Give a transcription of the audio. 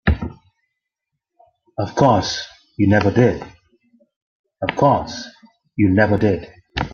Of course you never did.